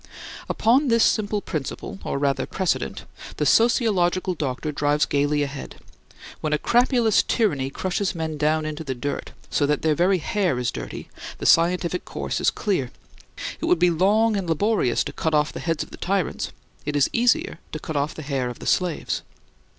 Upon this simple principle (or rather precedent) the sociological doctor drives gayly ahead. When a crapulous tyranny crushes men down into the dirt, so that their very hair is dirty, the scientific course is clear. It would be long and laborious to cut off the heads of the tyrants; it is easier to cut off the hair of the slaves.